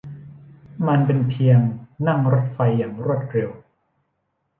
มันเป็นเพียงนั่งรถไฟอย่างรวดเร็ว